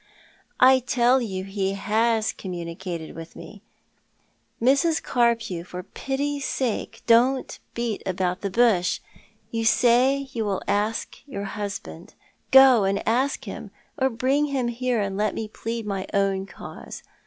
" I tell you he has commuuicatGd with me. Mrs. Carpew, for pity's sake don't beat about the bush. l"ou say you will ask your husband. Go and ask him — or bring him here and let me plead my own cause.